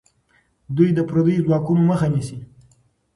دوی د پردیو ځواکونو مخه نیسي.